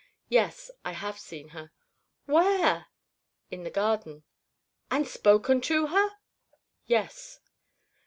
"Yes; I have seen her." "Where?" "In the garden." "And spoken to her?" "Yes."